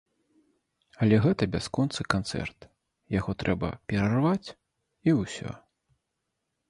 Але гэта бясконцы канцэрт, яго трэба перарваць, і ўсё.